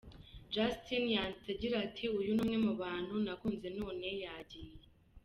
Justin yanditse agira ati :« Uyu ni umwe mu bantu nakunze none yagiye.